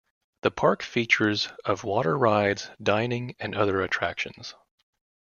The park features of water rides, dining, and other attractions.